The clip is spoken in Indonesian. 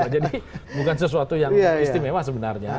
jadi bukan sesuatu yang istimewa sebenarnya